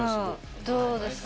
どうですか？